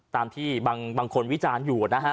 ตามที่บางคนวิจารณ์อยู่นะฮะ